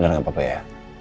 bener gak apa apa ya